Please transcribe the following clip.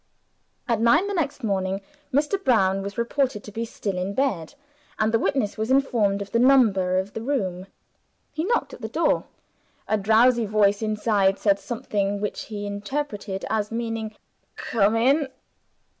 At nine the next morning, Mr. Brown was reported to be still in bed; and the witness was informed of the number of the room. He knocked at the door. A drowsy voice inside said something, which he interpreted as meaning "Come in."